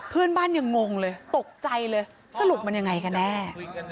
เพื่อนบ้านยังงงเลยตกใจเลยสรุปมันยังไงกันแน่